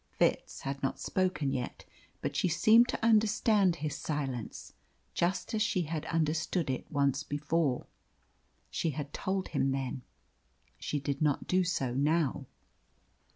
Fitz had not spoken yet, but she seemed to understand his silence, just as she had understood it once before. She had told him then. She did not do so now.